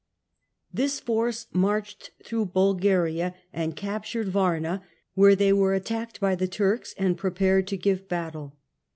This force marched iith^Nov through Bulgaria and captured Varna, where they were ^^^"^ attacked by the Turks and prepared to give battle.